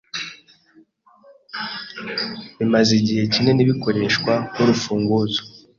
bimaze igihe kinini bikoreshwa nk "urufunguzo